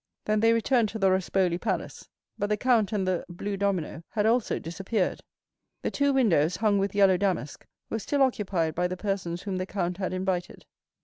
Then they returned to the Rospoli Palace; but the count and the blue domino had also disappeared; the two windows, hung with yellow damask, were still occupied by the persons whom the count had invited.